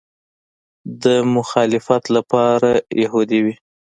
د مخالفت لپاره یهودي وي.